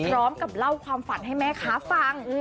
พร้อมกับเล่าความฝันให้แม่ค้าฟัง